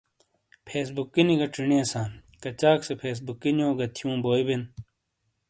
فیسبکی نی گہ چینیئساں، کَچاک سے فیسبکی نِیو گہ تھِیوں بوئی بین۔